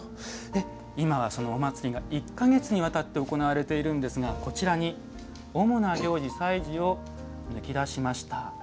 今はそのお祭りが１か月にわたって行われているんですがこちらに主な行事、祭事を抜き出しました。